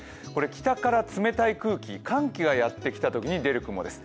北から冷たい空気、寒気がやってきたときに出る雲です。